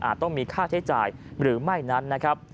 ต้องมีค่าใช้จ่ายหรือไม่นั้นนะครับ